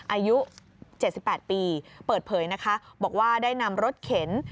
อายุ๗๘ปีเปิดเผยนะคะบอกว่าได้นำรถเข็น